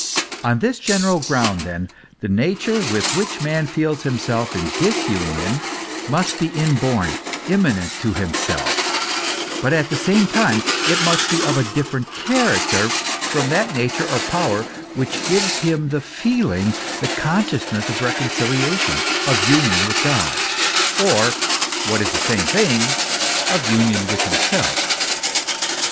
On this general ground, then, the nature with which man feels himself in disunion, must be inborn, immanent in himself, but at the same time it must be of a different character from that nature or power which gives him the feeling, the consciousness of reconciliation, of union with God, or, what is the same thing, with himself. GOD AS A BEING OF THE UNDERSTANDING.